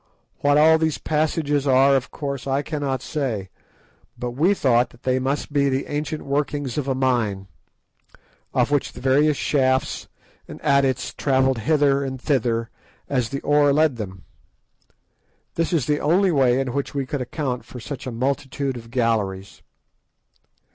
What all these passages are, of course I cannot say, but we thought that they must be the ancient workings of a mine, of which the various shafts and adits travelled hither and thither as the ore led them. This is the only way in which we could account for such a multitude of galleries.